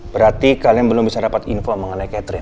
berarti kalian belum bisa dapat info mengenai catherine